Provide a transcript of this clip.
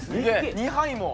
２杯も。